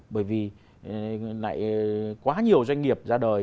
bởi vì lại quá nhiều doanh nghiệp ra đời